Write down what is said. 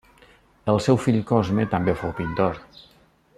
El seu fill Cosme també fou pintor.